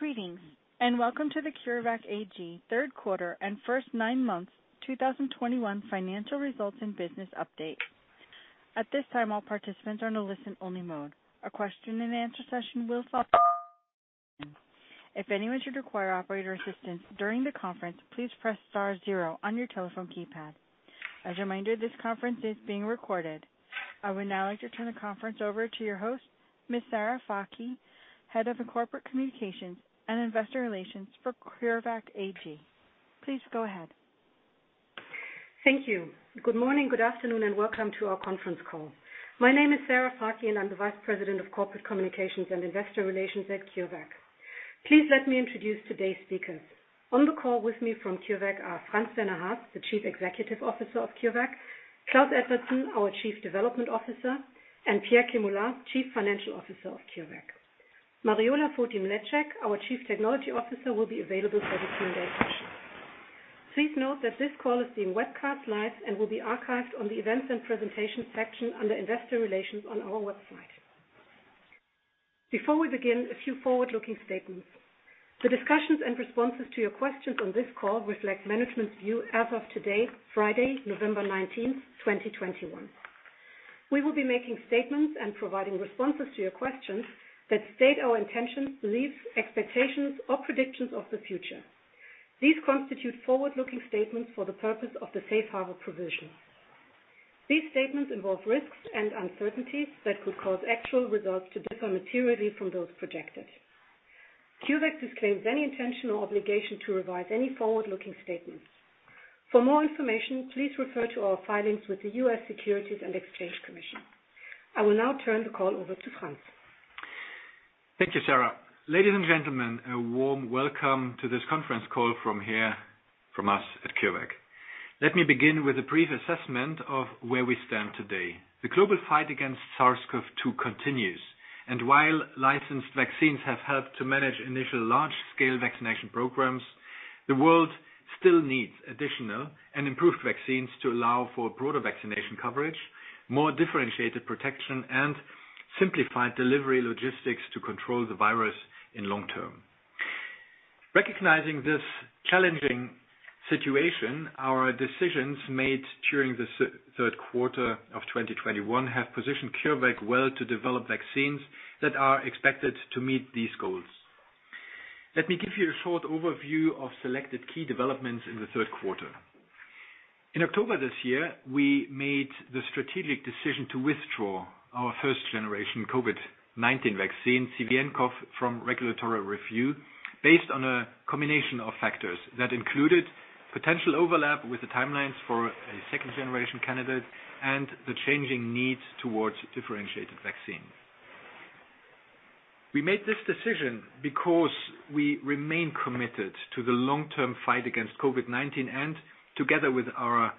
Greetings, and welcome to the CureVac AG third quarter and first nine months, 2021 financial results and business update. At this time, all participants are in a listen-only mode. A question-and-answer session will follow. If anyone should require operator assistance during the conference, please press star zero on your telephone keypad. As a reminder, this conference is being recorded. I would now like to turn the conference over to your host, Ms. Sarah Fakih, Head of Corporate Communications and Investor Relations for CureVac AG. Please go ahead. Thank you. Good morning, good afternoon, and welcome to our conference call. My name is Sarah Fakih, and I'm the Vice President of Corporate Communications and Investor Relations at CureVac. Please let me introduce today's speakers. On the call with me from CureVac are Franz-Werner Haas, the Chief Executive Officer of CureVac, Klaus Edvardsen, our Chief Development Officer, and Pierre Kemula, Chief Financial Officer of CureVac. Mariola Fotin-Mleczek, our Chief Technology Officer, will be available for the Q&A session. Please note that this call is being webcast live and will be archived on the Events and Presentations section under Investor Relations on our website. Before we begin, a few forward-looking statements. The discussions and responses to your questions on this call reflect management's view as of today, Friday, November 19, 2021. We will be making statements and providing responses to your questions that state our intentions, beliefs, expectations, or predictions of the future. These constitute forward-looking statements for the purpose of the safe harbor provision. These statements involve risks and uncertainties that could cause actual results to differ materially from those projected. CureVac disclaims any intention or obligation to revise any forward-looking statements. For more information, please refer to our filings with the U.S. Securities and Exchange Commission. I will now turn the call over to Franz. Thank you, Sarah. Ladies and gentlemen, a warm welcome to this conference call from here, from us at CureVac. Let me begin with a brief assessment of where we stand today. The global fight against SARS-CoV-2 continues, and while licensed vaccines have helped to manage initial large-scale vaccination programs, the world still needs additional and improved vaccines to allow for broader vaccination coverage, more differentiated protection, and simplified delivery logistics to control the virus in long term. Recognizing this challenging situation, our decisions made during the third quarter of 2021 have positioned CureVac well to develop vaccines that are expected to meet these goals. Let me give you a short overview of selected key developments in the third quarter. In October this year, we made the strategic decision to withdraw our first generation COVID-19 vaccine, CVnCoV, from regulatory review based on a combination of factors that included potential overlap with the timelines for a second generation candidate and the changing needs towards differentiated vaccines. We made this decision because we remain committed to the long-term fight against COVID-19, and together with our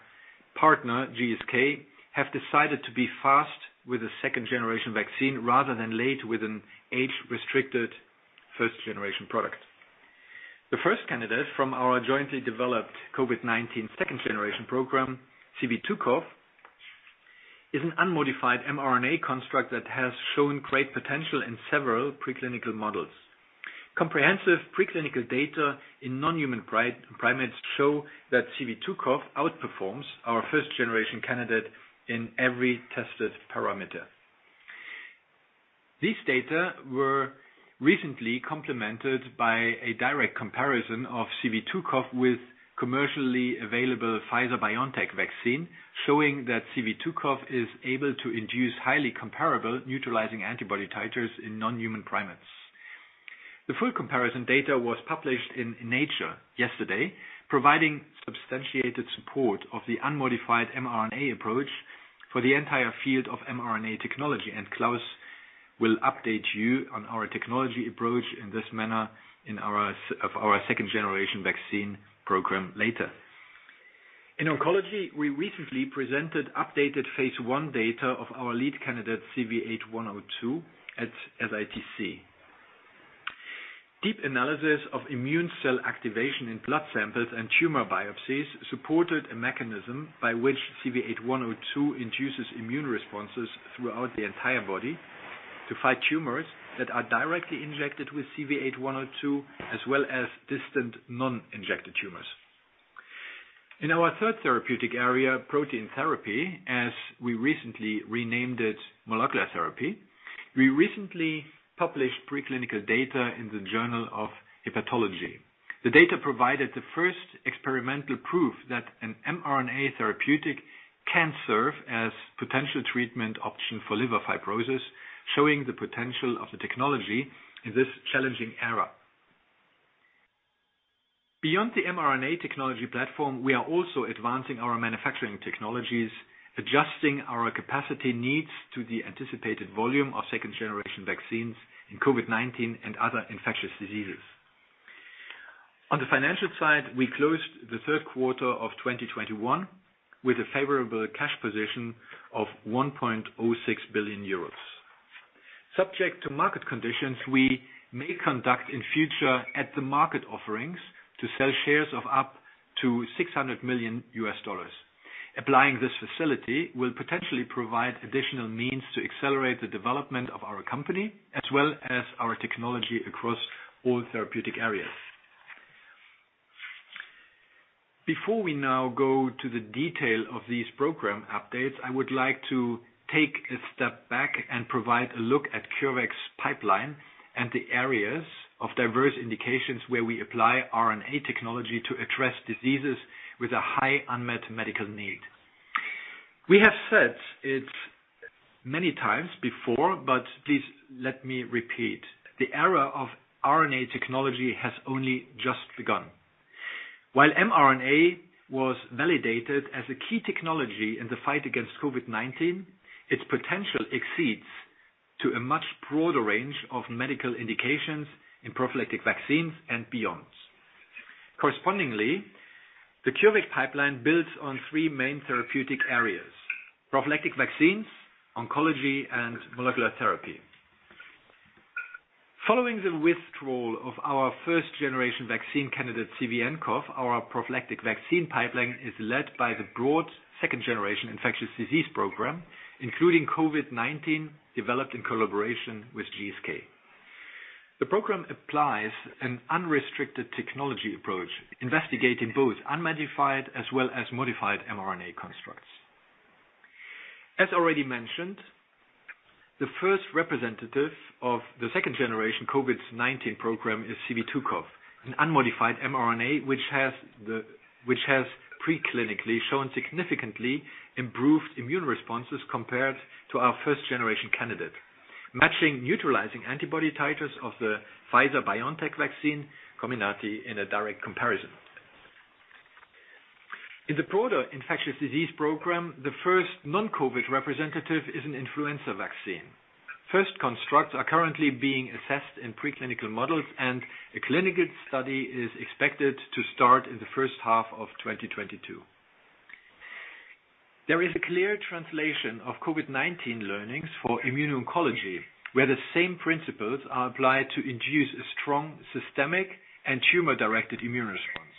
partner, GSK, have decided to be fast with a second generation vaccine rather than late with an age-restricted first generation product. The first candidate from our jointly developed COVID-19 second generation program, CV2CoV, is an unmodified mRNA construct that has shown great potential in several preclinical models. Comprehensive preclinical data in non-human primates show that CV2CoV outperforms our first generation candidate in every tested parameter. These data were recently complemented by a direct comparison of CV2CoV with commercially available Pfizer-BioNTech vaccine, showing that CV2CoV is able to induce highly comparable neutralizing antibody titers in non-human primates. The full comparison data was published in Nature yesterday, providing substantiated support of the unmodified mRNA approach for the entire field of mRNA technology, and Klaus will update you on our technology approach in this manner in our second generation vaccine program later. In oncology, we recently presented updated phase I data of our lead candidate, CV8102, at SITC. Deep analysis of immune cell activation in blood samples and tumor biopsies supported a mechanism by which CV8102 induces immune responses throughout the entire body to fight tumors that are directly injected with CV8102, as well as distant non-injected tumors. In our third therapeutic area, protein therapy, as we recently renamed it molecular therapy, we recently published preclinical data in the Journal of Hepatology. The data provided the first experimental proof that an mRNA therapeutic can serve as potential treatment option for liver fibrosis, showing the potential of the technology in this challenging area. Beyond the mRNA technology platform, we are also advancing our manufacturing technologies, adjusting our capacity needs to the anticipated volume of second generation vaccines in COVID-19 and other infectious diseases. On the financial side, we closed the third quarter of 2021 with a favorable cash position of 1.06 billion euros. Subject to market conditions, we may conduct in the future at-the-market offerings to sell shares of up to $600 million. Applying this facility will potentially provide additional means to accelerate the development of our company, as well as our technology across all therapeutic areas. Before we now go to the details of these program updates, I would like to take a step back and provide a look at CureVac's pipeline and the areas of diverse indications where we apply RNA technology to address diseases with a high unmet medical need. We have said it many times before, but please let me repeat. The era of RNA technology has only just begun. While mRNA was validated as a key technology in the fight against COVID-19, its potential extends to a much broader range of medical indications in prophylactic vaccines and beyond. Correspondingly, the CureVac pipeline builds on three main therapeutic areas, prophylactic vaccines, oncology, and molecular therapy. Following the withdrawal of our first generation vaccine candidate, CVnCoV, our prophylactic vaccine pipeline is led by the broad second generation infectious disease program, including COVID-19, developed in collaboration with GSK. The program applies an unrestricted technology approach, investigating both unmodified as well as modified mRNA constructs. As already mentioned, the first representative of the second generation COVID-19 program is CV2CoV, an unmodified mRNA, which has preclinically shown significantly improved immune responses compared to our first generation candidate, matching neutralizing antibody titers of the Pfizer-BioNTech vaccine, Comirnaty, in a direct comparison. In the broader infectious disease program, the first non-COVID representative is an influenza vaccine. First constructs are currently being assessed in preclinical models, and a clinical study is expected to start in the first half of 2022. There is a clear translation of COVID-19 learnings for immuno-oncology, where the same principles are applied to induce a strong systemic and tumor-directed immune response.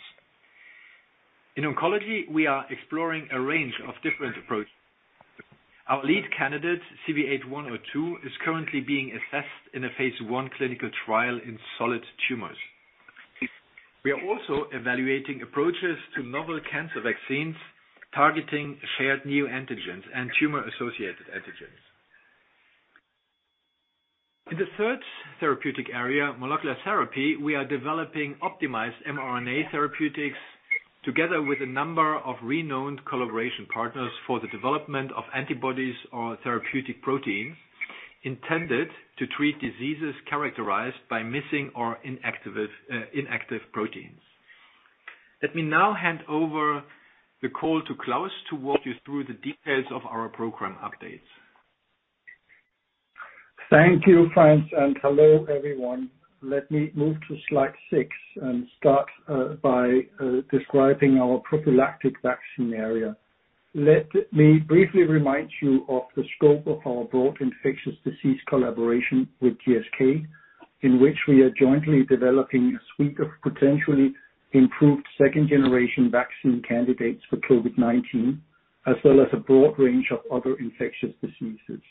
In oncology, we are exploring a range of different approaches. Our lead candidate, CV8102, is currently being assessed in a phase I clinical trial in solid tumors. We are also evaluating approaches to novel cancer vaccines targeting shared new antigens and tumor-associated antigens. In the third therapeutic area, molecular therapy, we are developing optimized mRNA therapeutics together with a number of renowned collaboration partners for the development of antibodies or therapeutic proteins intended to treat diseases characterized by missing or inactive proteins. Let me now hand over the call to Klaus to walk you through the details of our program updates. Thank you, Franz, and hello, everyone. Let me move to slide six and start by describing our prophylactic vaccine area. Let me briefly remind you of the scope of our broad infectious disease collaboration with GSK, in which we are jointly developing a suite of potentially improved second-generation vaccine candidates for COVID-19, as well as a broad range of other infectious diseases.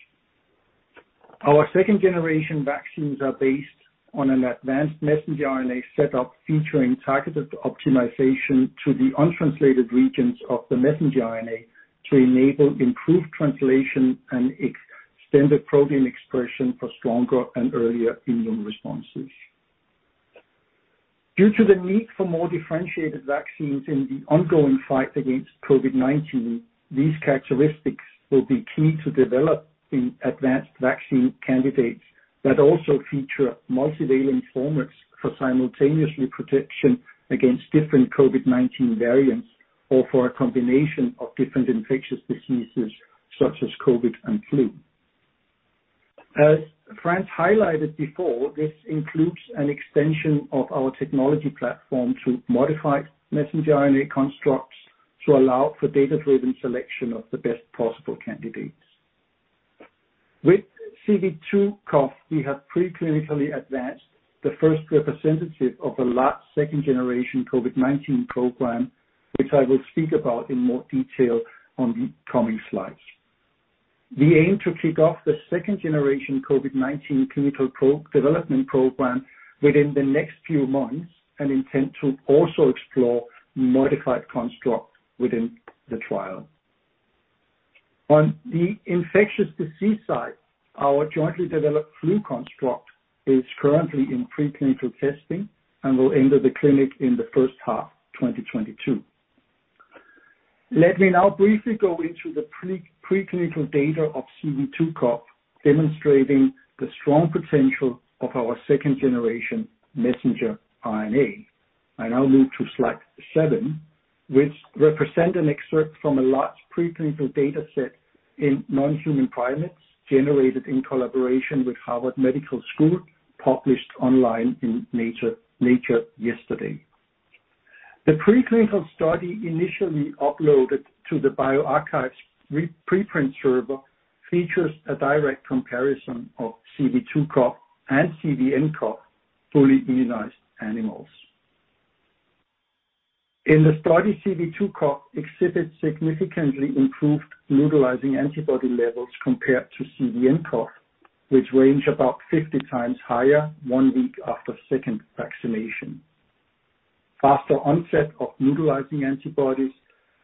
Our second-generation vaccines are based on an advanced messenger RNA setup featuring targeted optimization to the untranslated regions of the messenger RNA to enable improved translation and extended protein expression for stronger and earlier immune responses. Due to the need for more differentiated vaccines in the ongoing fight against COVID-19, these characteristics will be key to developing advanced vaccine candidates that also feature multivalent formats for simultaneously protection against different COVID-19 variants, or for a combination of different infectious diseases such as COVID and flu. As Franz highlighted before, this includes an extension of our technology platform to modified messenger RNA constructs to allow for data-driven selection of the best possible candidates. With CV2CoV, we have preclinically advanced the first representative of a large second generation COVID-19 program, which I will speak about in more detail on the coming slides. We aim to kick off the second generation COVID-19 clinical development program within the next few months and intend to also explore modified constructs within the trial. On the infectious disease side, our jointly developed flu construct is currently in preclinical testing and will enter the clinic in the first half 2022. Let me now briefly go into the preclinical data of CV2CoV, demonstrating the strong potential of our second generation messenger RNA. I now move to slide seven, which represent an excerpt from a large preclinical data set in non-human primates generated in collaboration with Harvard Medical School, published online in Nature yesterday. The preclinical study initially uploaded to the bioRxiv preprint server features a direct comparison of CV2CoV and CVnCoV. Fully immunized animals. In the study, CV2CoV exhibited significantly improved neutralizing antibody levels compared to CVnCoV, which range about 50x higher one week after second vaccination. Faster onset of neutralizing antibodies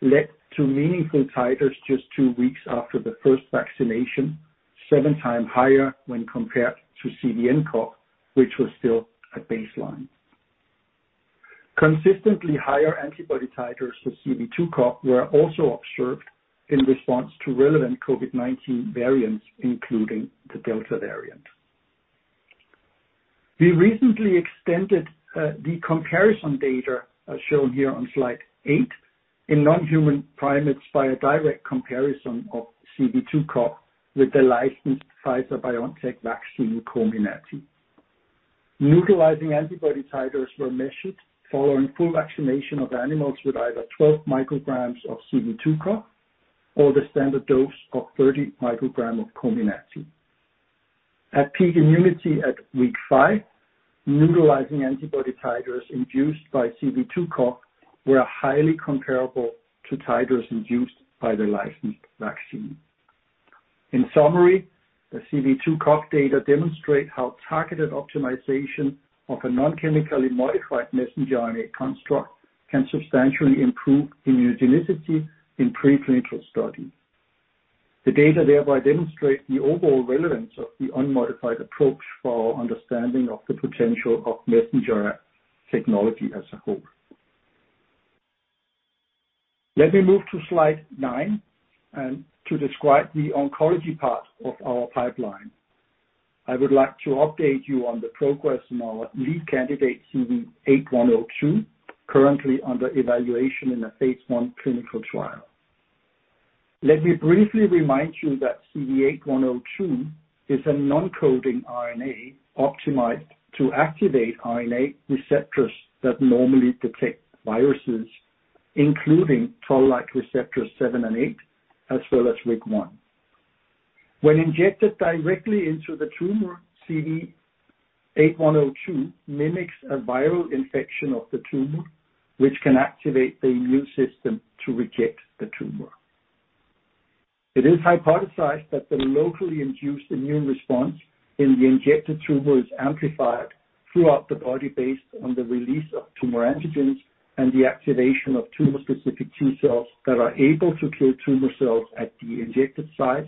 led to meaningful titers just two weeks after the first vaccination, 7x higher when compared to CVnCoV, which was still at baseline. Consistently higher antibody titers for CV2CoV were also observed in response to relevant COVID-19 variants, including the Delta variant. We recently extended the comparison data, as shown here on slide eight, in non-human primates by a direct comparison of CV2CoV with the licensed Pfizer-BioNTech vaccine, Comirnaty. Neutralizing antibody titers were measured following full vaccination of animals with either 12 micrograms of CV2CoV or the standard dose of 30 micrograms of Comirnaty. At peak immunity at week five, neutralizing antibody titers induced by CV2CoV were highly comparable to titers induced by the licensed vaccine. In summary, the CV2CoV data demonstrate how targeted optimization of a non-chemically modified messenger RNA construct can substantially improve immunogenicity in pre-clinical studies. The data thereby demonstrate the overall relevance of the unmodified approach for our understanding of the potential of messenger technology as a whole. Let me move to slide nine, and to describe the oncology part of our pipeline. I would like to update you on the progress in our lead candidate, CV8102, currently under evaluation in a phase I clinical trial. Let me briefly remind you that CV8102 is a non-coding RNA optimized to activate RNA receptors that normally detect viruses, including toll-like receptors 7 and 8, as well as RIG-I. When injected directly into the tumor, CV8102 mimics a viral infection of the tumor, which can activate the immune system to reject the tumor. It is hypothesized that the locally induced immune response in the injected tumor is amplified throughout the body based on the release of tumor antigens and the activation of tumor-specific T cells that are able to kill tumor cells at the injected site,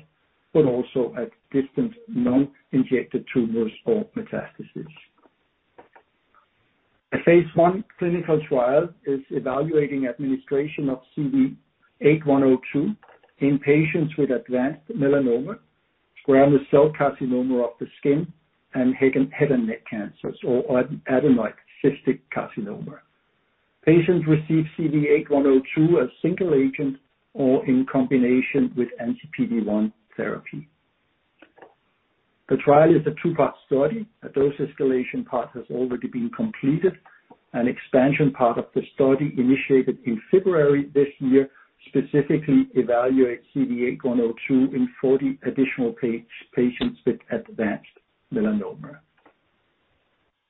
but also at distant non-injected tumors or metastasis. A phase I clinical trial is evaluating administration of CV8102 in patients with advanced melanoma, squamous cell carcinoma of the skin, and head and neck cancers, or adenoid cystic carcinoma. Patients receive CV8102 as single agent or in combination with anti-PD-1 therapy. The trial is a two-part study. A dose escalation part has already been completed. An expansion part of the study initiated in February this year specifically evaluates CV8102 in 40 additional patients with advanced melanoma.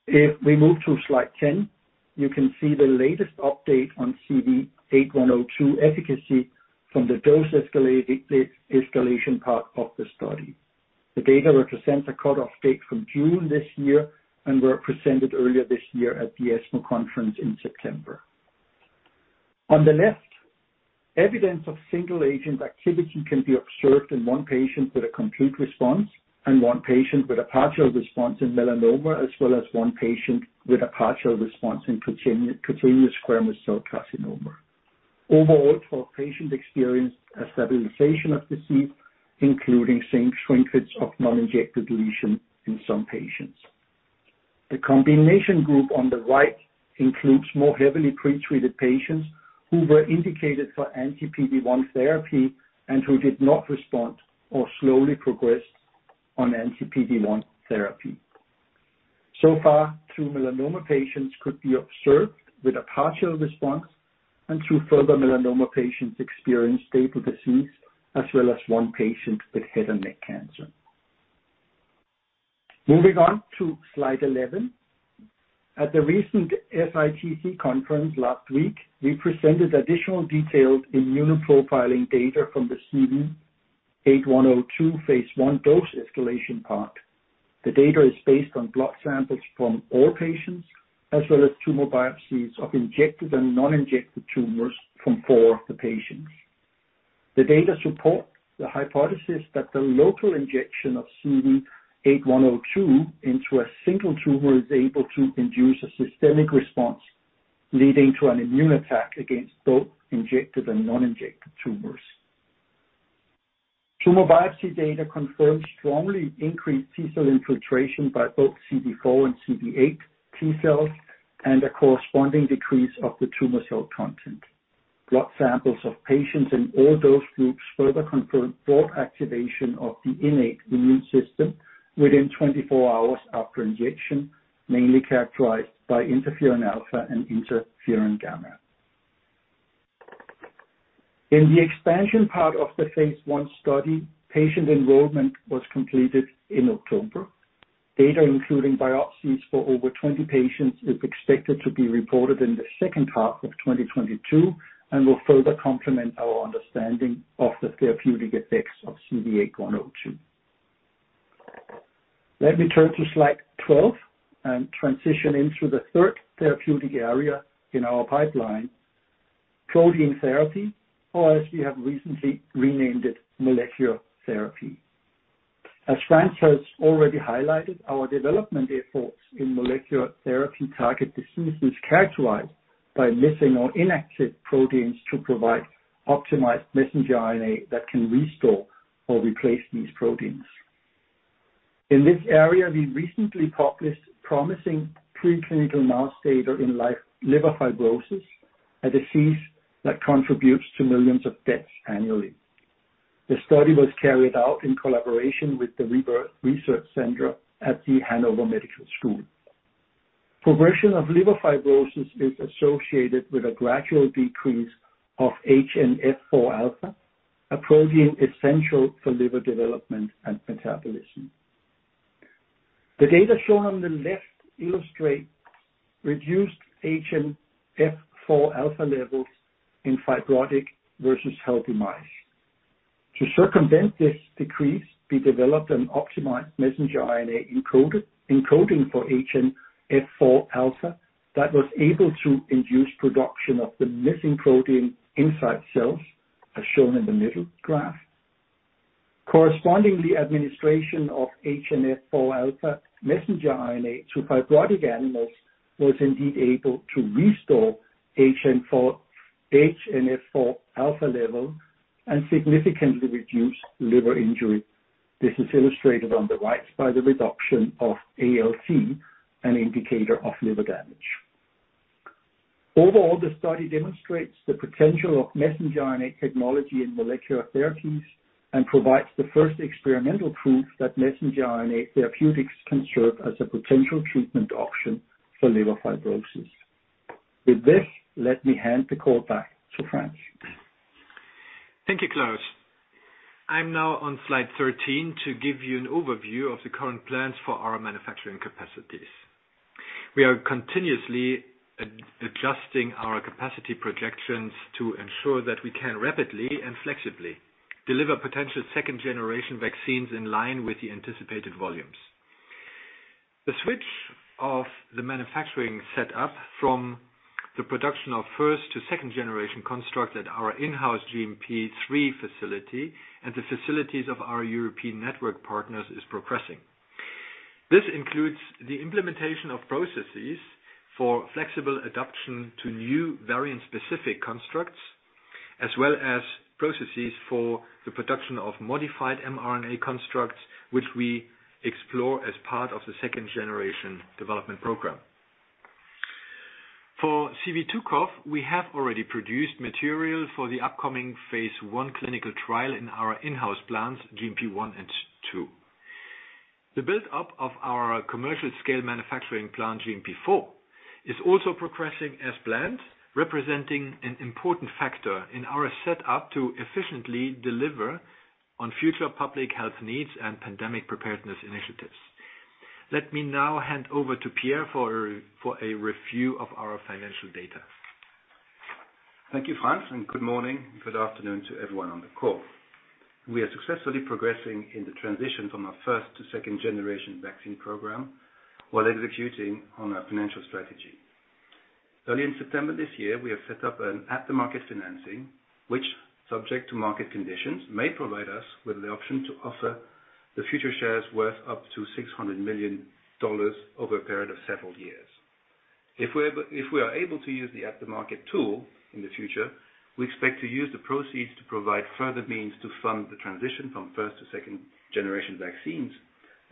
If we move to slide 10, you can see the latest update on CV8102 efficacy from the dose escalation part of the study. The data represents a cutoff date from June this year and were presented earlier this year at the ESMO conference in September. On the left, evidence of single agent activity can be observed in one patient with a complete response and one patient with a partial response in melanoma, as well as one patient with a partial response in cutaneous squamous cell carcinoma. Overall, 12 patients experienced a stabilization of disease, including seen shrinkage of non-injected lesions in some patients. The combination group on the right includes more heavily pre-treated patients who were indicated for anti-PD-1 therapy and who did not respond or slowly progressed on anti-PD-1 therapy. So far, two melanoma patients could be observed with a partial response, and two further melanoma patients experienced stable disease, as well as one patient with head and neck cancer. Moving on to slide 11. At the recent SITC conference last week, we presented additional details in immunoprofiling data from the CV8102 phase I dose escalation part. The data is based on blood samples from all patients, as well as tumor biopsies of injected and non-injected tumors from four of the patients. The data support the hypothesis that the local injection of CV8102 into a single tumor is able to induce a systemic response, leading to an immune attack against both injected and non-injected tumors. Tumor biopsy data confirms strongly increased T-cell infiltration by both CD4 and CD8 T-cells and a corresponding decrease of the tumor cell content. Blood samples of patients in all dose groups further confirmed broad activation of the innate immune system within 24 hours after injection, mainly characterized by interferon alfa and interferon gamma. In the expansion part of the phase I study, patient enrollment was completed in October. Data including biopsies for over 20 patients is expected to be reported in the second half of 2022, and will further complement our understanding of the therapeutic effects of CV8102. Let me turn to slide 12 and transition into the third therapeutic area in our pipeline, protein therapy, or as we have recently renamed it, molecular therapy. As Franz has already highlighted, our development efforts in molecular therapy target diseases characterized by missing or inactive proteins to provide optimized messenger RNA that can restore or replace these proteins. In this area, we recently published promising preclinical mouse data in liver fibrosis, a disease that contributes to millions of deaths annually. The study was carried out in collaboration with the REBIRTH Research Center at the Hannover Medical School. Progression of liver fibrosis is associated with a gradual decrease of HNF4α, a protein essential for liver development and metabolism. The data shown on the left illustrate reduced HNF4α levels in fibrotic versus healthy mice. To circumvent this decrease, we developed an optimized messenger RNA encoding for HNF4α that was able to induce production of the missing protein inside cells, as shown in the middle graph. Correspondingly, administration of HNF4α messenger RNA to fibrotic animals was indeed able to restore HNF4α level and significantly reduce liver injury. This is illustrated on the right by the reduction of ALT, an indicator of liver damage. Overall, the study demonstrates the potential of messenger RNA technology in molecular therapies and provides the first experimental proof that messenger RNA therapeutics can serve as a potential treatment option for liver fibrosis. With this, let me hand the call back to Franz. Thank you, Klaus. I'm now on slide 13 to give you an overview of the current plans for our manufacturing capacities. We are continuously adjusting our capacity projections to ensure that we can rapidly and flexibly deliver potential second generation vaccines in line with the anticipated volumes. The switch of the manufacturing set up from the production of first to second generation construct at our in-house GMP 3 facility and the facilities of our European network partners is progressing. This includes the implementation of processes for flexible adaptation to new variant-specific constructs, as well as processes for the production of modified mRNA constructs, which we explore as part of the second generation development program. For CV2CoV, we have already produced material for the upcoming phase I clinical trial in our in-house plants, GMP 1 and 2. The build up of our commercial scale manufacturing plant, GMP four, is also progressing as planned, representing an important factor in our setup to efficiently deliver on future public health needs and pandemic preparedness initiatives. Let me now hand over to Pierre for a review of our financial data. Thank you, Franz, and good morning. Good afternoon to everyone on the call. We are successfully progressing in the transition from our first to second generation vaccine program while executing on our financial strategy. Early in September this year, we have set up an at-the-market financing which, subject to market conditions, may provide us with the option to conduct in future at-the-market offerings to sell shares of up to $600 million over a period of several years. If we are able to use the at-the-market tool in the future, we expect to use the proceeds to provide further means to fund the transition from first to second generation vaccines,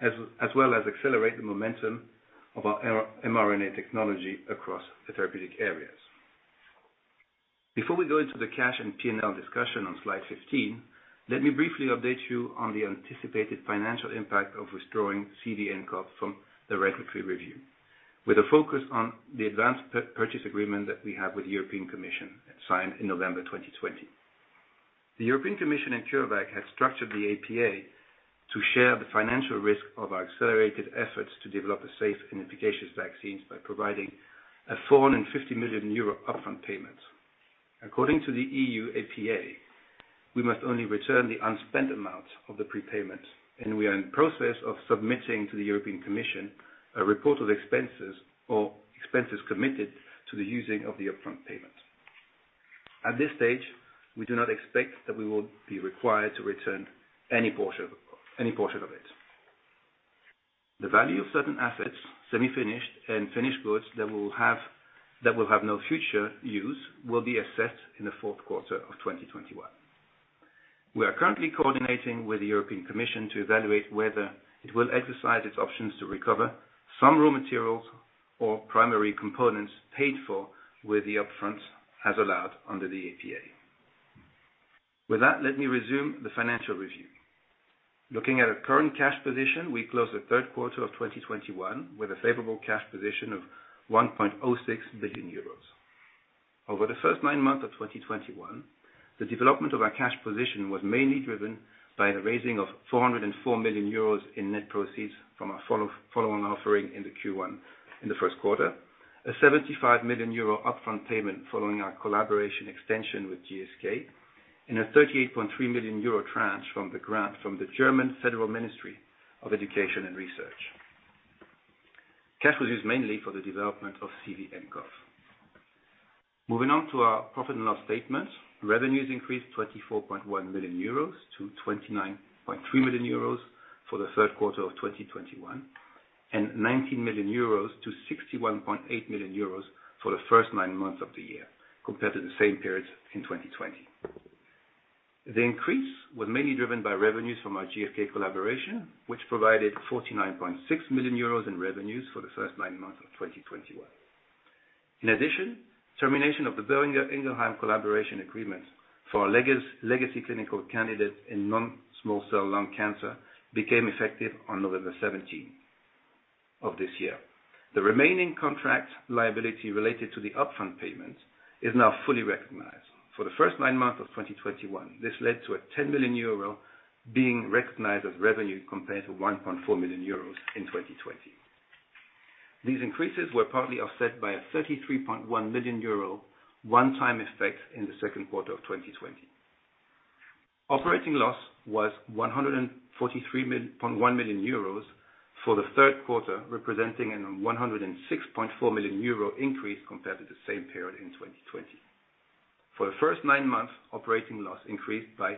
as well as accelerate the momentum of our mRNA technology across the therapeutic areas. Before we go into the cash and P&L discussion on slide 15, let me briefly update you on the anticipated financial impact of withdrawing CVnCoV from the regulatory review, with a focus on the advanced purchase agreement that we have with the European Commission, signed in November 2020. The European Commission and CureVac have structured the APA to share the financial risk of our accelerated efforts to develop a safe and efficacious vaccine by providing a 450 million euro upfront payment. According to the EU APA, we must only return the unspent amount of the prepayment, and we are in process of submitting to the European Commission a report of the expenses committed to the use of the upfront payment. At this stage, we do not expect that we will be required to return any portion of it. The value of certain assets, semi-finished and finished goods that will have no future use, will be assessed in the fourth quarter of 2021. We are currently coordinating with the European Commission to evaluate whether it will exercise its options to recover some raw materials or primary components paid for with the upfront as allowed under the APA. With that, let me resume the financial review. Looking at our current cash position, we closed the third quarter of 2021 with a favorable cash position of 1.06 billion euros. Over the first nine months of 2021, the development of our cash position was mainly driven by the raising of 404 million euros in net proceeds from our follow-on offering in the Q1, in the first quarter, a 75 million euro upfront payment following our collaboration extension with GSK, and a 38.3 million euro tranche from the grant from the German Federal Ministry of Education and Research. Cash was used mainly for the development of CVnCoV. Moving on to our profit and loss statement. Revenues increased 24.1 million euros to 29.3 million euros for the third quarter of 2021, and 19 million-61.8 million euros for the first nine months of the year compared to the same periods in 2020. The increase was mainly driven by revenues from our GSK collaboration, which provided 49.6 million euros in revenues for the first nine months of 2021. In addition, termination of the Boehringer Ingelheim collaboration agreement for our legacy clinical candidate in non-small cell lung cancer became effective on November 17 of this year. The remaining contract liability related to the upfront payment is now fully recognized. For the first nine months of 2021, this led to a 10 million euro being recognized as revenue compared to 1.4 million euros in 2020. These increases were partly offset by a 33.1 million euro one-time effect in the second quarter of 2020. Operating loss was 143.1 million euros for the third quarter, representing a 106.4 million euro increase compared to the same period in 2020. For the first nine months, operating loss increased by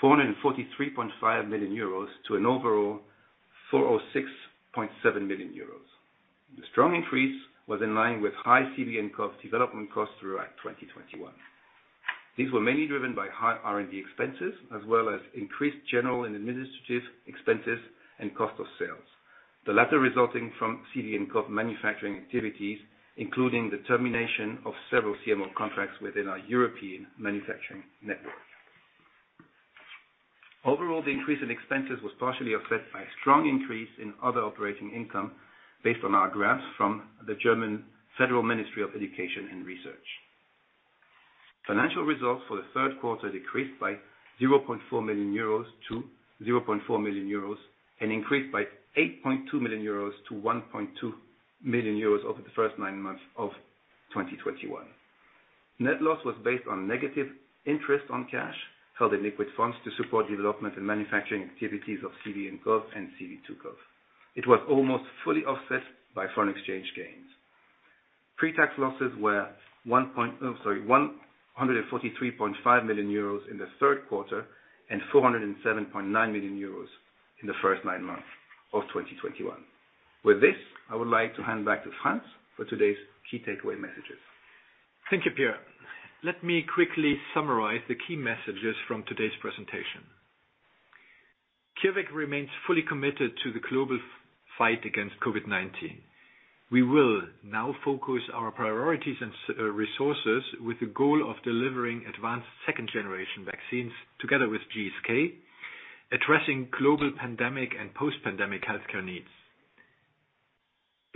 443.5 million euros to an overall 406.7 million euros. The strong increase was in line with high CVnCoV development costs throughout 2021. These were mainly driven by high R&D expenses, as well as increased general and administrative expenses and cost of sales, the latter resulting from CVnCoV manufacturing activities, including the termination of several CMO contracts within our European manufacturing network. Overall, the increase in expenses was partially offset by a strong increase in other operating income based on our grants from the German Federal Ministry of Education and Research. Financial results for the third quarter decreased by 0.4 million-0.4 million euros and increased by 8.2 million-1.2 million euros over the first nine months of 2021. Net loss was based on negative interest on cash, held in liquid funds to support development and manufacturing activities of CVnCoV and CV2CoV. It was almost fully offset by foreign exchange gains. Pre-tax losses were 143.5 million euros in the third quarter and 407.9 million euros in the first nine months of 2021. With this, I would like to hand back to Franz for today's key takeaway messages. Thank you, Pierre. Let me quickly summarize the key messages from today's presentation. CureVac remains fully committed to the global fight against COVID-19. We will now focus our priorities and resources with the goal of delivering advanced second-generation vaccines together with GSK, addressing global pandemic and post-pandemic healthcare needs.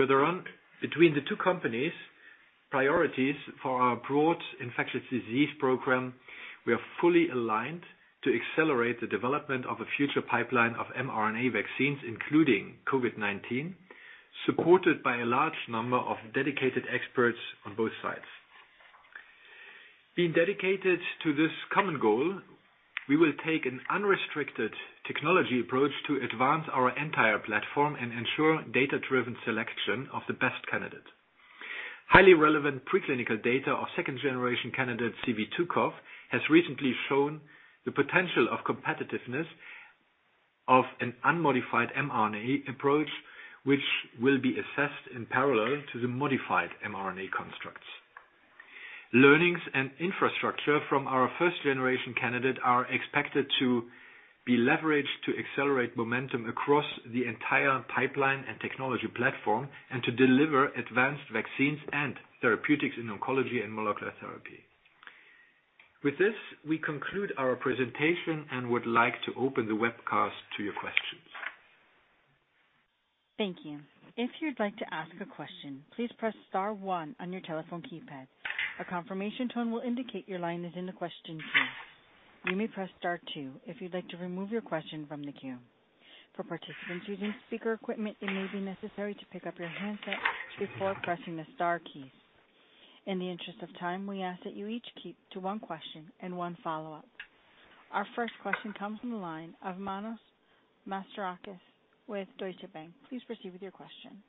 Further on, between the two companies' priorities for our broad infectious disease program, we are fully aligned to accelerate the development of a future pipeline of mRNA vaccines, including COVID-19, supported by a large number of dedicated experts on both sides. Being dedicated to this common goal, we will take an unrestricted technology approach to advance our entire platform and ensure data-driven selection of the best candidate. Highly relevant preclinical data of second-generation candidate CV2CoV has recently shown the potential of competitiveness of an unmodified mRNA approach, which will be assessed in parallel to the modified mRNA constructs. Learnings and infrastructure from our first generation candidate are expected to be leveraged to accelerate momentum across the entire pipeline and technology platform and to deliver advanced vaccines and therapeutics in oncology and molecular therapy. With this, we conclude our presentation and would like to open the webcast to your questions. Thank you. If you'd like to ask a question, please press star one on your telephone keypad. A confirmation tone will indicate your line is in the question queue. You may press star two if you'd like to remove your question from the queue. For participants using speaker equipment, it may be necessary to pick up your handset before pressing the star keys. In the interest of time, we ask that you each keep to one question and one follow-up. Our first question comes from the line of Manos Mastorakis with Deutsche Bank. Please proceed with your question.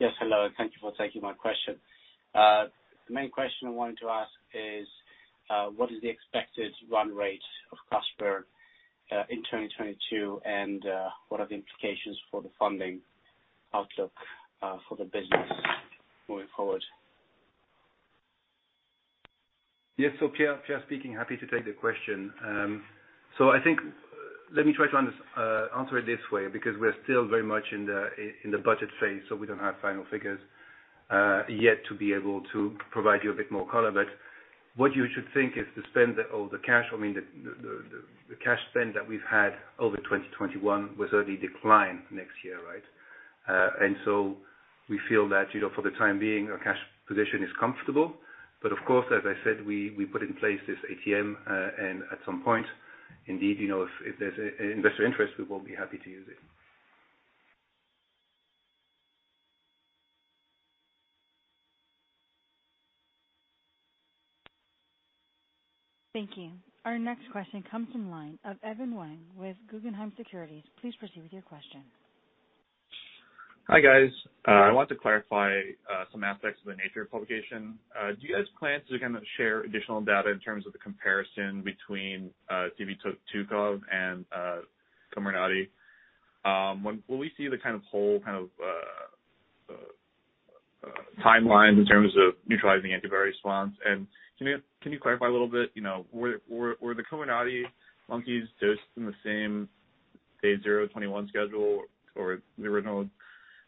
Yes, hello, and thank you for taking my question. The main question I wanted to ask is, what is the expected run rate of cash burn in 2022? What are the implications for the funding outlook for the business going forward? Yes. Pierre speaking. Happy to take the question. I think, let me try to answer it this way because we're still very much in the budget phase, we don't have final figures. Yet to be able to provide you a bit more color, but what you should think is the spend or the cash, I mean the cash spend that we've had over 2021 will certainly decline next year, right? We feel that, you know, for the time being, our cash position is comfortable. Of course, as I said, we put in place this ATM, and at some point, indeed, you know, if there's investor interest, we will be happy to use it. Thank you. Our next question comes from the line of Evan Wang with Guggenheim Securities. Please proceed with your question. Hi, guys. I want to clarify some aspects of the nature of publication. Do you guys plan to kind of share additional data in terms of the comparison between CV2CoV and Comirnaty? When will we see the kind of whole kind of timelines in terms of neutralizing antibody response? And can you clarify a little bit, you know, were the Comirnaty monkeys dosed in the same day 0 21 schedule or the original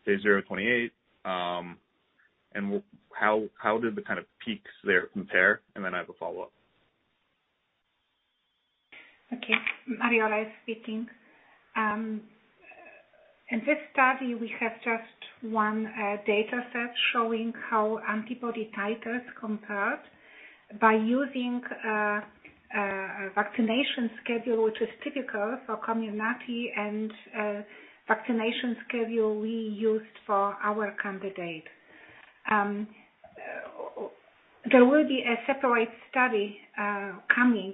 day 0 28? And how did the kind of peaks there compare? And then I have a follow-up. Okay. Mariola speaking. In this study, we have just one data set showing how antibody titers compared by using a vaccination schedule which is typical for Comirnaty and vaccination schedule we used for our candidate. There will be a separate study coming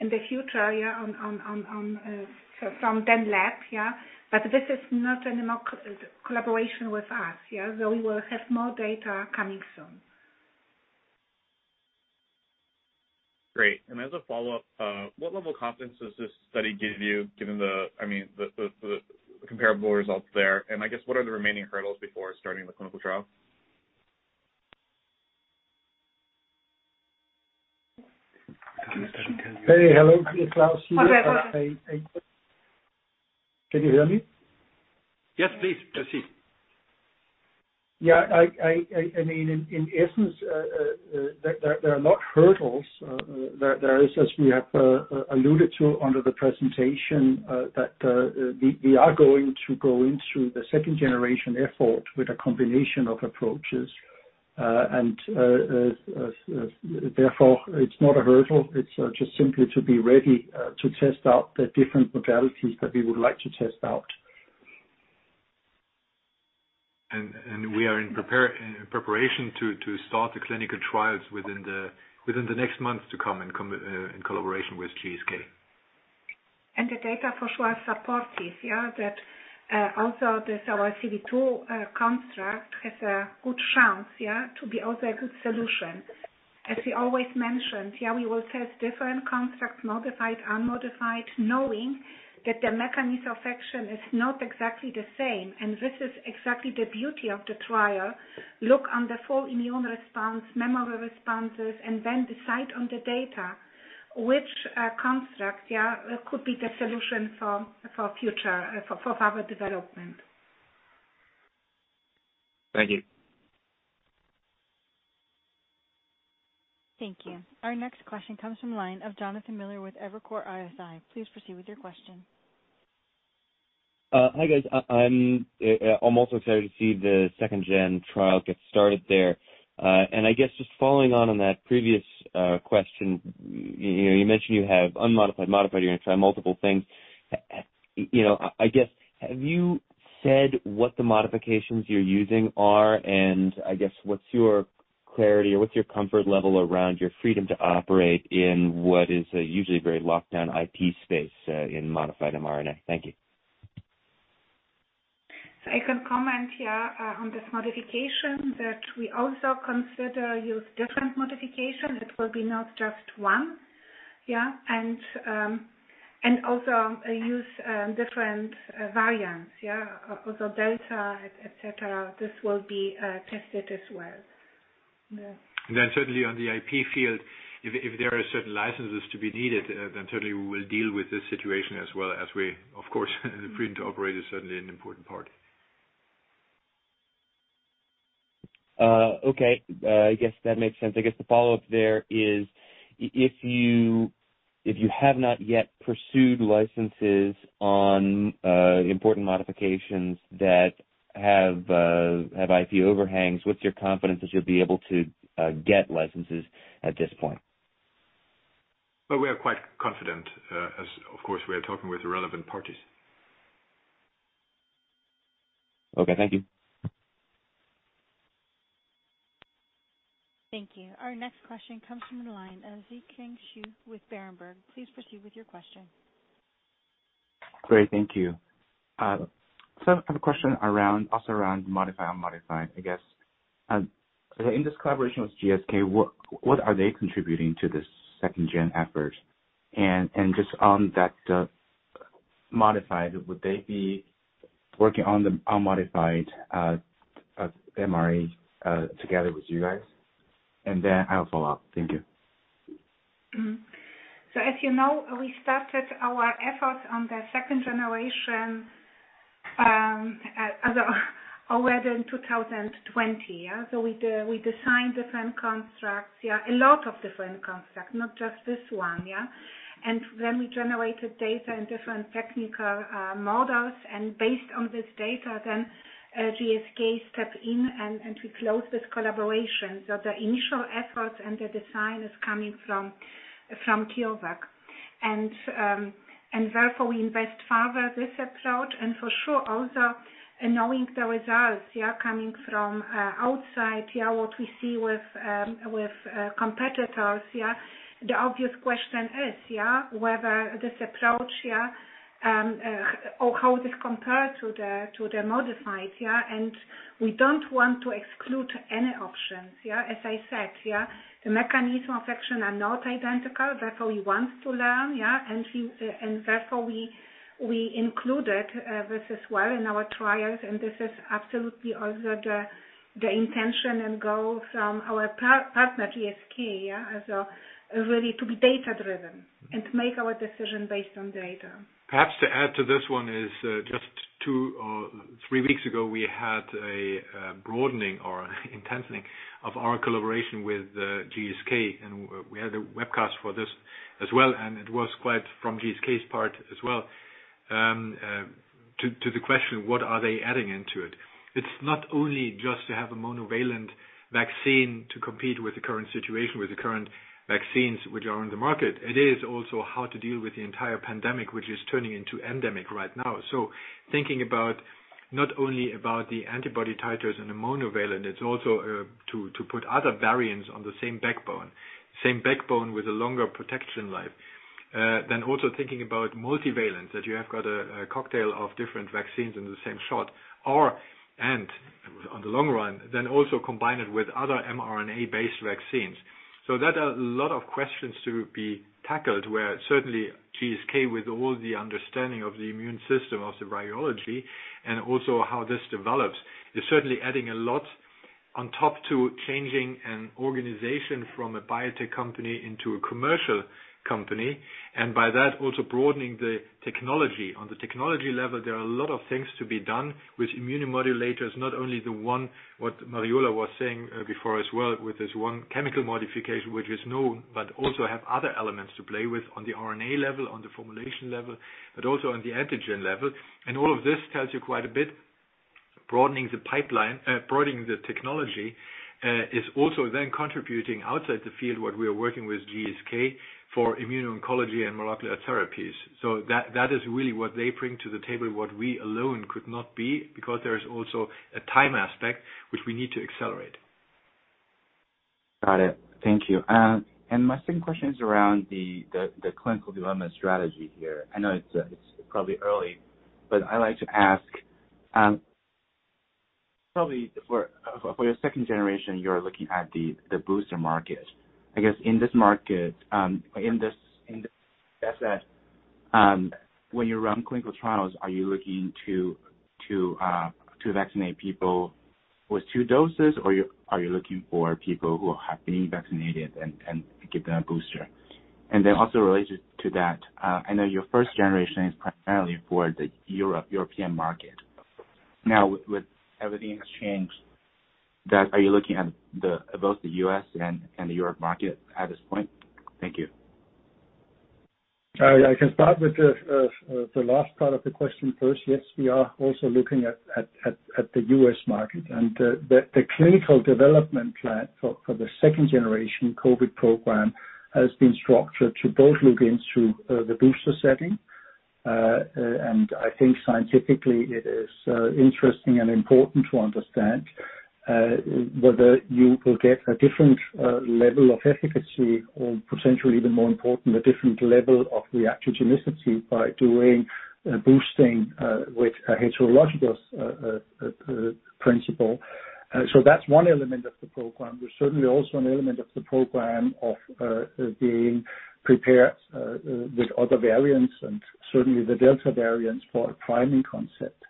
in the future from Dan Barouch Lab here, but this is not any more collaboration with us, yeah. We will have more data coming soon. Great. As a follow-up, what level of confidence does this study give you given the, I mean, the comparable results there? I guess, what are the remaining hurdles before starting the clinical trial? Can you start? Hey. Hello. This is Klaus. Can you hear me? Yes, please proceed. Yeah, I mean, in essence, there is, as we have alluded to under the presentation, that we are going to go into the second generation effort with a combination of approaches. Therefore it's not a hurdle, it's just simply to be ready to test out the different modalities that we would like to test out. We are in preparation to start the clinical trials within the next month to come in collaboration with GSK. The data for sure are supportive that also this, our CV2 construct has a good chance to be also a good solution. As we always mentioned, we will test different constructs, modified, unmodified, knowing that the mechanism of action is not exactly the same. This is exactly the beauty of the trial, looking at the full immune response, memory responses, and then decide on the data which construct could be the solution for future further development. Thank you. Thank you. Our next question comes from the line of Jonathan Miller with Evercore ISI. Please proceed with your question. Hi, guys. I'm also excited to see the second-gen trial get started there. I guess just following on that previous question, you know, you mentioned you have unmodified, modified, you're gonna try multiple things. You know, I guess have you said what the modifications you're using are, and I guess what's your clarity or what's your comfort level around your freedom to operate in what is a usually very locked down IP space, in modified mRNA? Thank you. I can comment here on this modification that we also consider use different modifications. It will be not just one. Also use different variants. Delta, et cetera. This will be tested as well. Certainly on the IP field, if there are certain licenses to be needed, then certainly we will deal with this situation as well as we, of course, the freedom to operate is certainly an important part. Okay. I guess that makes sense. I guess the follow-up there is if you have not yet pursued licenses on important modifications that have IP overhangs, what's your confidence that you'll be able to get licenses at this point? Well, we are quite confident, as of course, we are talking with relevant parties. Okay. Thank you. Thank you. Our next question comes from the line of Zhiqiang Shu with Berenberg. Please proceed with your question. Great. Thank you. I have a question around modified, unmodified, I guess. In this collaboration with GSK, what are they contributing to this second gen effort? Just on that, modified, would they be working on the unmodified mRNA together with you guys? I have a follow-up. Thank you. As you know, we started our efforts on the second generation as of already in 2020. We designed different constructs, a lot of different constructs, not just this one. Then we generated data and different technical models, and based on this data GSK stepped in and we closed this collaboration. The initial efforts and the design is coming from CureVac. Therefore we invest further this approach, and for sure also knowing the results coming from outside, what we see with competitors. The obvious question is whether this approach or how this compares to the modified. We don't want to exclude any options. As I said, the mechanism of action are not identical, therefore we want to learn, and therefore we included this as well in our trials, and this is absolutely also the intention and goal from our partner, GSK, as we really want to be data driven and to make our decision based on data. Perhaps to add to this one is, just two or three weeks ago we had a broadening or intensifying of our collaboration with GSK, and we had a webcast for this as well, and it was quite from GSK's part as well, to the question, what are they adding into it? It's not only just to have a monovalent vaccine to compete with the current situation, with the current vaccines which are on the market. It is also how to deal with the entire pandemic, which is turning into endemic right now. Thinking about, not only about the antibody titers and the monovalent, it's also to put other variants on the same backbone, same backbone with a longer protection life. Also thinking about multivalent, that you have got a cocktail of different vaccines in the same shot or, and on the long run, also combine it with other mRNA-based vaccines. That are a lot of questions to be tackled, where certainly GSK with all the understanding of the immune system, of the virology, and also how this develops, is certainly adding a lot on top to changing an organization from a biotech company into a commercial company, and by that also broadening the technology. On the technology level, there are a lot of things to be done with immunomodulators, not only the one what Mariola was saying, before as well, with this one chemical modification, which is known, but also have other elements to play with on the RNA level, on the formulation level, but also on the antigen level. All of this tells you quite a bit, broadening the pipeline, broadening the technology, is also then contributing outside the field what we are working with GSK for immuno-oncology and molecular therapies. That is really what they bring to the table, what we alone could not be, because there is also a time aspect which we need to accelerate. Got it. Thank you. My second question is around the clinical development strategy here. I know it's probably early, but I'd like to ask, probably for your second generation, you're looking at the booster market. I guess in this market, in this asset, when you run clinical trials, are you looking to vaccinate people with two doses, or are you looking for people who have been vaccinated and give them a booster? Then also related to that, I know your first generation is primarily for the European market. Now with everything has changed, are you looking at both the U.S. and the European market at this point? Thank you. I can start with the last part of the question first. Yes, we are also looking at the U.S. market. The clinical development plan for the second generation COVID program has been structured to both look into the booster setting, and I think scientifically it is interesting and important to understand whether you will get a different level of efficacy or potentially even more important, a different level of reactogenicity by doing boosting with a heterologous principle. So that's one element of the program. There's certainly also an element of the program of being prepared with other variants and certainly the Delta variants for a priming concept.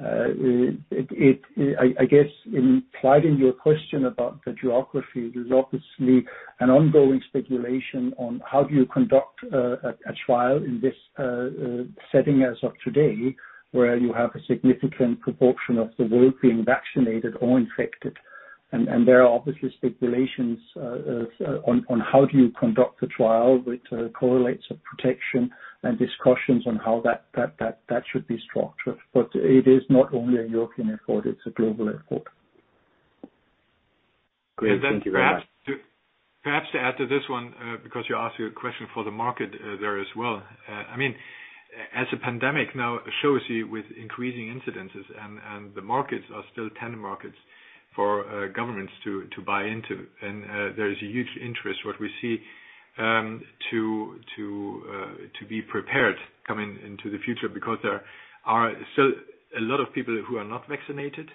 I guess in implying your question about the geography, there's obviously an ongoing speculation on how do you conduct a trial in this setting as of today, where you have a significant proportion of the world being vaccinated or infected. There are obviously speculations on how do you conduct a trial which correlates of protection and discussions on how that should be structured. It is not only a European effort, it's a global effort. Great. Thank you very much. Perhaps to add to this one, because you asked your question for the market, there as well. I mean, as the pandemic now shows you with increasing incidences and the markets are still tender markets for governments to buy into, and there is a huge interest, what we see, to be prepared coming into the future because there are still a lot of people who are not vaccinated.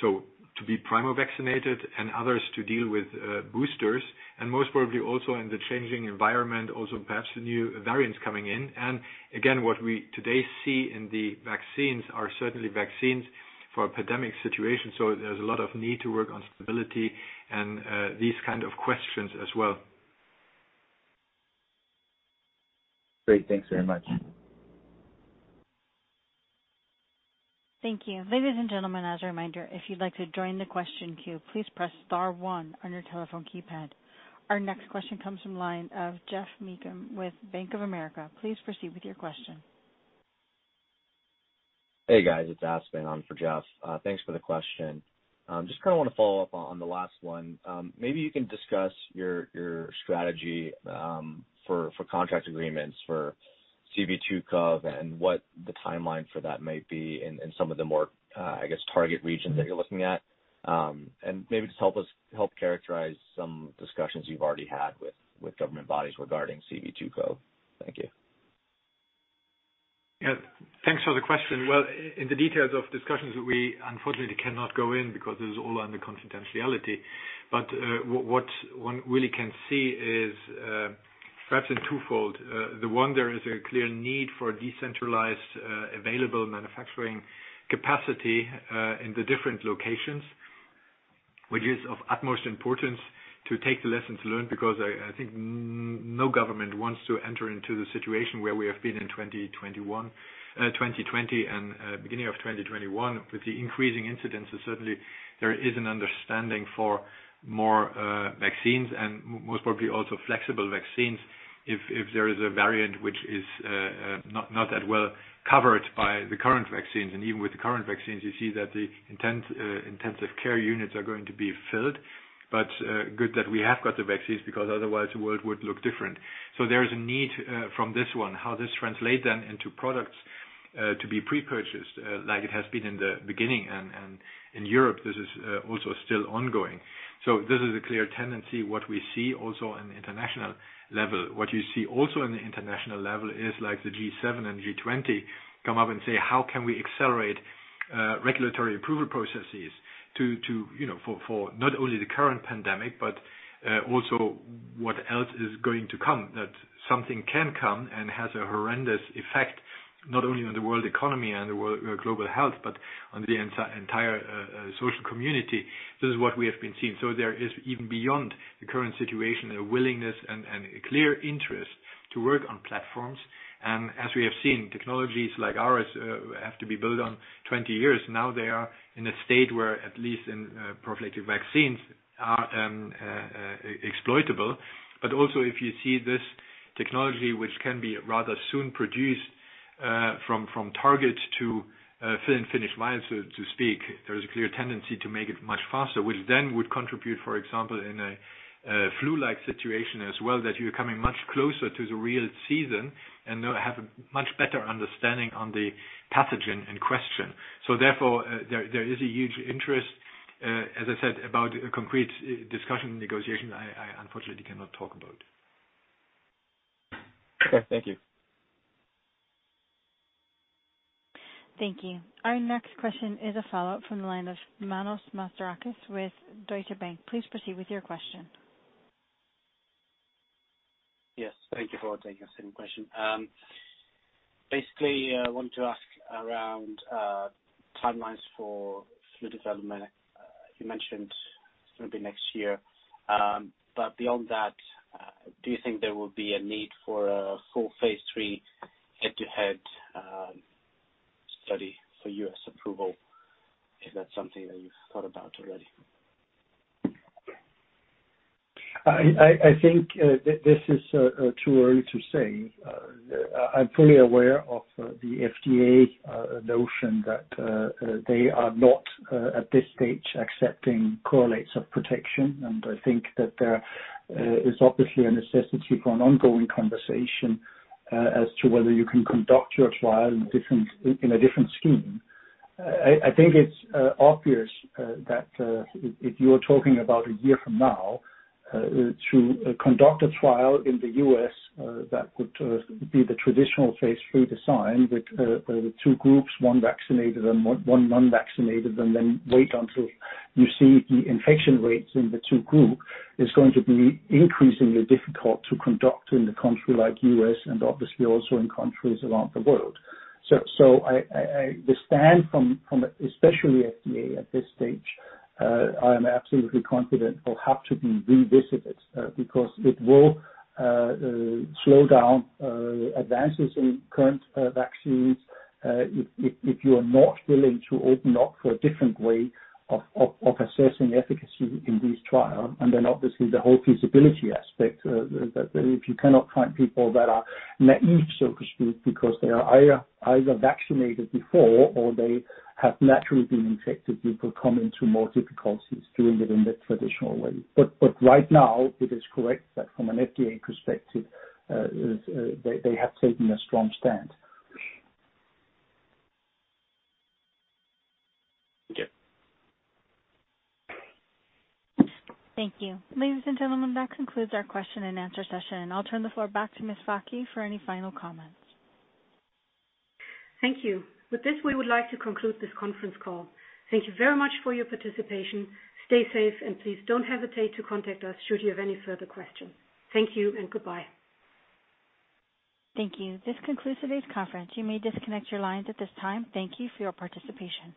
So to be primarily vaccinated and others to deal with boosters, and most probably also in the changing environment, also perhaps new variants coming in. Again, what we today see in the vaccines are certainly vaccines for a pandemic situation. There's a lot of need to work on stability and these kind of questions as well. Great. Thanks very much. Thank you. Ladies and gentlemen, as a reminder, if you'd like to join the question queue, please press star one on your telephone keypad. Our next question comes from the line of Geoff Meacham with Bank of America. Please proceed with your question. Hey, guys, it's Aspen on for Geoff. Thanks for the question. Just kinda wanna follow up on the last one. Maybe you can discuss your strategy for contract agreements for CV2CoV and what the timeline for that might be in some of the more, I guess, target regions that you're looking at. And maybe just help us characterize some discussions you've already had with government bodies regarding CV2CoV. Thank you. Yeah. Thanks for the question. Well, in the details of discussions, we unfortunately cannot go in because it is all under confidentiality. What one really can see is perhaps in twofold. The one, there is a clear need for decentralized available manufacturing capacity in the different locations, which is of utmost importance to take the lessons learned because I think no government wants to enter into the situation where we have been in 2021, 2020 and beginning of 2021. With the increasing incidences, certainly there is an understanding for more vaccines and most probably also flexible vaccines if there is a variant which is not that well covered by the current vaccines. Even with the current vaccines, you see that the intensive care units are going to be filled. Good that we have got the vaccines because otherwise the world would look different. There is a need from this one, how this translate then into products to be pre-purchased like it has been in the beginning and in Europe, this is also still ongoing. This is a clear tendency what we see also on the international level. What you see also on the international level is like the G7 and G20 come up and say, how can we accelerate regulatory approval processes to you know, for not only the current pandemic, but also what else is going to come? That something can come and has a horrendous effect, not only on the world economy and global health, but on the entire social community. This is what we have been seeing. There is, even beyond the current situation, a willingness and a clear interest to work on platforms. As we have seen, technologies like ours have to be built on 20 years. Now they are in a state where at least in prophylactic vaccines are exploitable. Also if you see this technology which can be rather soon produced from target to finished lines, so to speak, there is a clear tendency to make it much faster, which then would contribute, for example, in a flu-like situation as well, that you're coming much closer to the real season and have much better understanding on the pathogen in question. Therefore, there is a huge interest. As I said, about a concrete discussion negotiation, I unfortunately cannot talk about. Okay. Thank you. Thank you. Our next question is a follow-up from the line of Manos Mastorakis with Deutsche Bank. Please proceed with your question. Yes. Thank you for taking a second question. Basically, I want to ask around timelines for flu development. You mentioned it's gonna be next year. Beyond that, do you think there will be a need for a full phase III head-to-head study for U.S. approval? Is that something that you've thought about already? I think this is too early to say. I'm fully aware of the FDA notion that they are not at this stage accepting correlates of protection, and I think that there is obviously a necessity for an ongoing conversation as to whether you can conduct your trial in a different scheme. I think it's obvious that if you are talking about a year from now to conduct a trial in the U.S., that would be the traditional phase III design with the two groups, one vaccinated and one unvaccinated, and then wait until you see the infection rates in the two groups is going to be increasingly difficult to conduct in a country like the U.S. and obviously also in countries around the world. The stance from especially the FDA at this stage I am absolutely confident will have to be revisited because it will slow down advances in current vaccines if you are not willing to open up for a different way of assessing efficacy in this trial. Obviously the whole feasibility aspect, that if you cannot find people that are naive, so to speak, because they are either vaccinated before or they have naturally been infected, you could come into more difficulties doing it in the traditional way. Right now it is correct that from an FDA perspective, they have taken a strong stand. Okay. Thank you. Ladies and gentlemen, that concludes our question and answer session. I'll turn the floor back to Ms. Fakih for any final comments. Thank you. With this, we would like to conclude this conference call. Thank you very much for your participation. Stay safe, and please don't hesitate to contact us should you have any further questions. Thank you and goodbye. Thank you. This concludes today's conference. You may disconnect your lines at this time. Thank you for your participation.